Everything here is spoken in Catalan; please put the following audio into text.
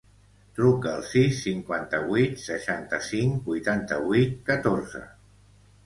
Truca al sis, cinquanta-vuit, seixanta-cinc, vuitanta-vuit, catorze.